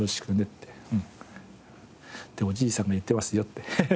っておじいさんが言ってますよって。